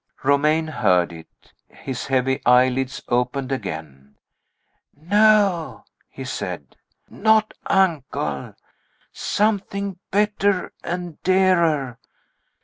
Romayne heard it. His heavy eyelids opened again. "No," he said. "Not uncle. Something better and dearer.